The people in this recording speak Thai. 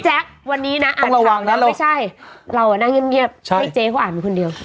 ไอ้แจ๊ควันนี้นะอ่านคำนั้นไม่ใช่เรานั่งเงียบให้เจ๊เขาอ่านมันคนเดียว